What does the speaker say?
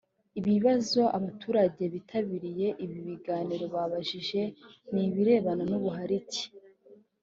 Ibibazo abaturage bitabiriye ibi biganiro babajije ni ibirebana n’ubuharike